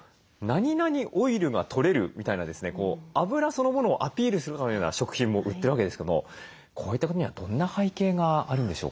そのものをアピールするかのような食品も売ってるわけですけどもこういったことにはどんな背景があるんでしょうか？